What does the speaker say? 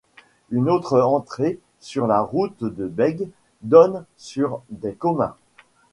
Une autre entrée, sur la route de Bègues, donne sur des communs.